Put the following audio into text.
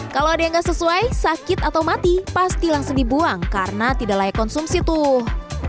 kalau ada yang nggak sesuai sakit atau mati pasti langsung dibuang karena tidak layak konsumsi tuh